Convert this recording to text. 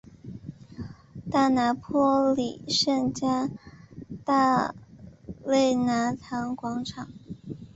大拿坡里圣加大肋纳堂广场。